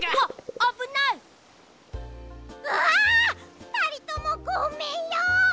ああっふたりともごめんよ！